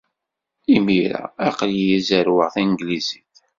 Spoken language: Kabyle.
Imir-a, aql-iyi zerrweɣ tanglizit.